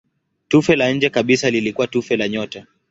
Tufe la nje kabisa lilikuwa tufe la nyota.